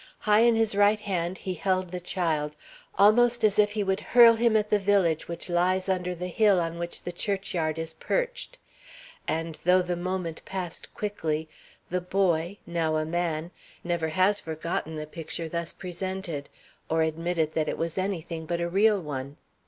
High in his right hand he held the child, almost as if he would hurl him at the village which lies under the hill on which the churchyard is perched; and though the moment passed quickly, the boy, now a man, never has forgotten the picture thus presented or admitted that it was anything but a real one.